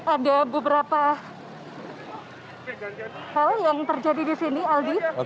ada beberapa hal yang terjadi di sini aldi